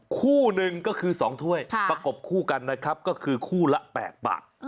คู่หนึ่งก็คือ๒ถ้วยประกบคู่กันนะครับก็คือคู่ละ๘บาท